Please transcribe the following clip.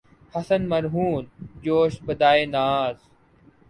حسن مرہون جوش بادۂ ناز